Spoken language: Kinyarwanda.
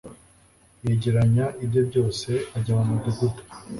yegeranya ibye byose ajya mu mudugudu